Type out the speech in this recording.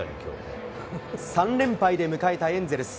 ３連敗で迎えたエンゼルス。